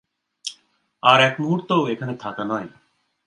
আর একমুহূর্তও এখানে থাকা নয়।